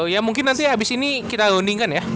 ya mungkin nanti abis ini kita undingkan ya